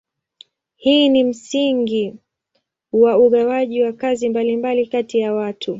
Hii ni msingi wa ugawaji wa kazi mbalimbali kati ya watu.